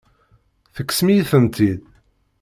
Tekksem-iyi-tent-id.